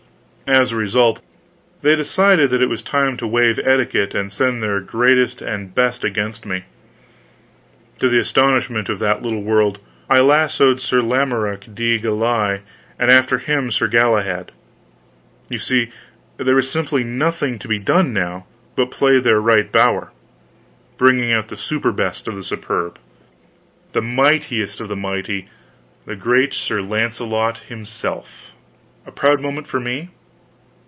As a result, they decided that it was time to waive etiquette and send their greatest and best against me. To the astonishment of that little world, I lassoed Sir Lamorak de Galis, and after him Sir Galahad. So you see there was simply nothing to be done now, but play their right bower bring out the superbest of the superb, the mightiest of the mighty, the great Sir Launcelot himself! A proud moment for me?